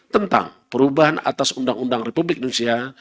tentang perubahan atas undang undang republik indonesia